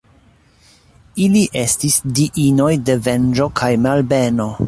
Ili estis diinoj de venĝo kaj malbeno.